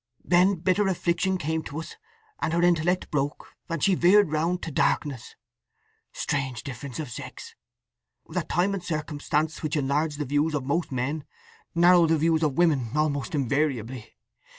Then bitter affliction came to us, and her intellect broke, and she veered round to darkness. Strange difference of sex, that time and circumstance, which enlarge the views of most men, narrow the views of women almost invariably.